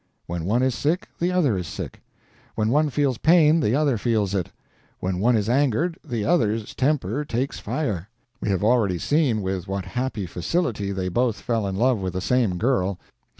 When one is sick, the other is sick; when one feels pain, the other feels it; when one is angered, the other's temper takes fire. We have already seen with what happy facility they both fell in love with the same girl.